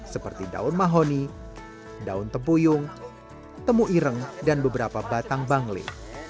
seperti daun mahoni daun tepuyung temu ireng dan beberapa batang bangli